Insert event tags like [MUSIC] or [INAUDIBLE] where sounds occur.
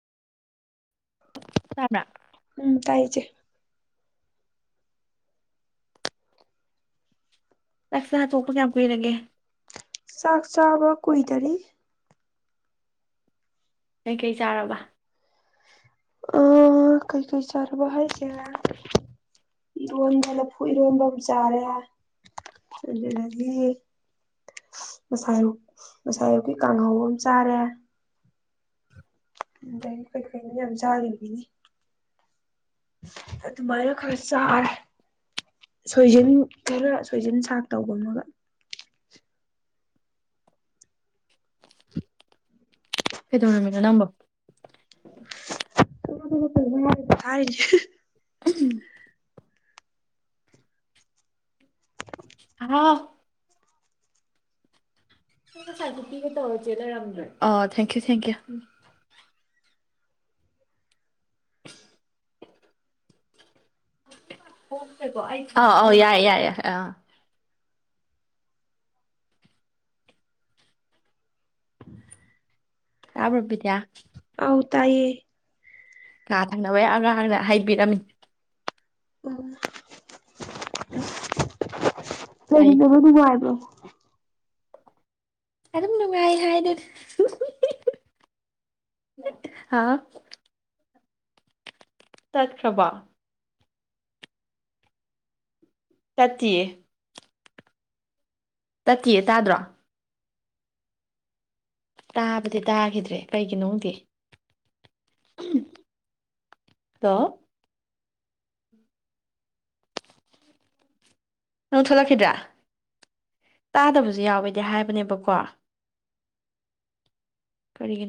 ꯇꯥꯕ꯭ꯔꯥ ꯎꯝ ꯇꯥꯏꯌꯦ ꯏꯆꯦ ꯆꯥꯛ ꯆꯥ ꯇꯣꯛꯄ ꯀꯌꯥꯝ ꯀꯨꯏꯔꯒꯦ ꯆꯥꯛ ꯆꯥꯕ ꯀꯨꯏꯗꯥꯔꯤ ꯀꯩꯀꯩ ꯆꯥꯔꯕ ꯑꯥ ꯀꯩ ꯀꯩ ꯆꯔꯕ ꯍꯥꯏꯖꯦ ꯏꯔꯣꯟꯕ ꯂꯐꯨ ꯏꯔꯣꯟꯕ ꯑꯃ ꯆꯥꯔꯦ ꯑꯗꯨꯗꯒꯤ ꯉꯁꯥꯏ ꯑꯌꯨꯛ ꯉꯁꯥꯏ ꯑꯥꯌꯨꯛꯀꯤ ꯀꯥꯡꯍꯧ ꯑꯃ ꯆꯥꯔꯦ ꯑꯗꯥꯒꯤ ꯀꯩ ꯀꯩꯅꯣ ꯌꯥꯝ ꯆꯥꯒꯤꯕꯤꯅꯤ ꯑꯗꯨꯃꯥꯏꯅ ꯈꯔ ꯆꯥꯔꯦ ꯁꯣꯏꯖꯤꯟ ꯈꯔ ꯁꯣꯏꯖꯤꯟ ꯁꯥꯛ ꯇꯧꯕ ꯑꯃꯒꯥ ꯀꯩꯗꯧꯔꯝꯃꯤꯅꯣ ꯅꯪꯕꯣ [UNINTELLIGIBLE] ꯊꯥꯔꯤꯅꯦ ꯎꯝ ꯍꯥꯎ ꯑꯩ ꯉꯁꯥꯏꯗꯣ ꯄꯤꯒꯦ ꯇꯧꯔꯒꯥ ꯆꯦ ꯂꯩꯔꯝꯗꯔꯦ ꯑꯥ ꯊꯦꯡꯀ꯭ꯌꯨ ꯊꯦꯡꯀ꯭ꯌꯨ [UNINTELLIGIBLE] ꯑꯥ ꯑꯣ ꯌꯥꯏꯌꯦ ꯌꯥꯏꯌꯦ ꯑꯥ ꯇꯕ꯭ꯔꯣ ꯕꯤꯗꯌꯥ ꯑꯥꯎ ꯇꯥꯌꯦ ꯀꯥ ꯊꯪꯅꯕ ꯑꯉꯥꯡꯅ ꯍꯩ ꯕꯤꯔꯝꯃꯤ ꯎꯝ ꯍꯥꯏ ꯂꯩꯃꯤꯟꯅꯕ ꯅꯨꯡꯉꯥꯏꯕ꯭ꯔꯣ ꯑꯗꯨꯝ ꯅꯨꯡꯉꯥꯏ ꯍꯥꯏꯗꯨꯅꯤ ꯍꯥꯎ ꯇꯠꯈ꯭ꯔꯥꯕꯣ ꯇꯠꯇꯤꯌꯦ ꯇꯠꯇꯤꯌꯦ ꯇꯥꯗ꯭ꯔꯣ ꯇꯥꯕꯗꯤ ꯇꯥꯒꯤꯗ꯭ꯔꯦ ꯀꯩꯒꯤꯅꯣ ꯈꯪꯗꯦ ꯗꯣ ꯅꯪ ꯊꯣꯛꯂꯛꯈꯤꯗ꯭ꯔꯥ ꯇꯥꯗꯕꯖꯨ ꯌꯥꯎꯋꯦꯗꯤ ꯍꯥꯏꯕꯅꯦꯕꯀꯣ ꯀꯥꯔꯤꯒꯤꯅꯣ